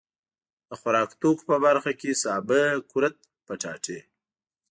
د خوراکتوکو په برخه کې سابه، کورت، پياټي.